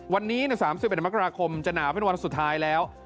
วันนี้๓๑มกราคมจะหนาวเป็นวันสุดท้ายแล้ว